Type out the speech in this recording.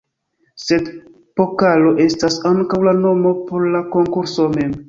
Sed "pokalo" estas ankaŭ la nomo por la konkurso mem.